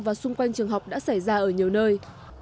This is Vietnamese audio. và xung quanh trường học đã xảy ra ở nhiều nơi